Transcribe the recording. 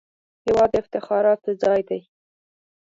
هېواد د افتخاراتو ځای دی